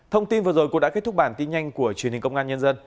thông tin vừa rồi cũng đã kết thúc bản tin nhanh của truyền hình công an nhân dân